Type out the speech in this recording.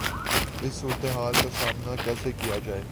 اس صورتحال کا سامنا کیسے کیا جائے؟